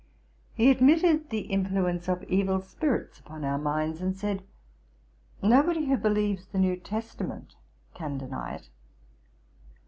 "' He admitted the influence of evil spirits upon our minds, and said, 'Nobody who believes the New Testament can deny it.'